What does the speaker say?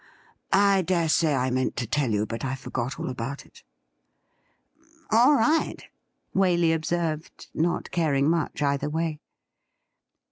I dare say I meant to tell you, but I forgot all about it.' ' All right,' Waley observed, not caring much either way.